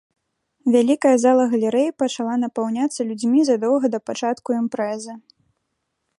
Вялікая зала галерэі пачала напаўняцца людзьмі задоўга да пачатку імпрэзы.